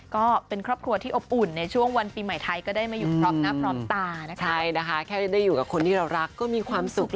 ก็เป็นครอบครัวที่อบอุ่นในช่วงวันปีใหม่ไทยก็ได้ไม่อยู่ตรอบหน้าพรอมตานะคะใช่นะคะแค่ได้อยู่กับคนที่เรารักก็มีความสุข